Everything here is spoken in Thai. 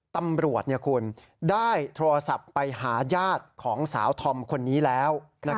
ตำรวจคุณได้โทรศัพท์ไปหาญาติของสาวธอมคนนี้แล้ว